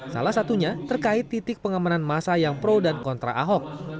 salah satunya terkait titik pengamanan masa yang pro dan kontra ahok